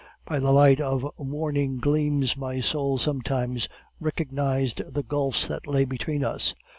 By the light of warning gleams my soul sometimes recognized the gulfs that lay between us.